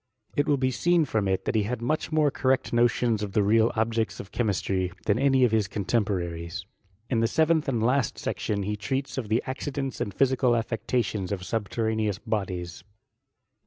It will be seen from it that he had much more correct notions of the leal objects of diemistry, than any of his oontemporaries. In the serenth and last section he treats of the accidents and physical afiections of subtenaneous bodies.